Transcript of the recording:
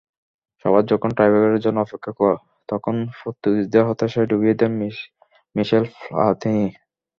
সবার যখন টাইব্রেকারের জন্য অপেক্ষা, তখনই পর্তুগিজদের হতাশায় ডুবিয়ে দেন মিশেল প্লাতিনি।